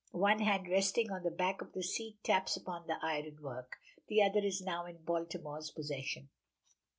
One hand resting on the back of the seat taps upon the iron work, the other is now in Baltimore's possession.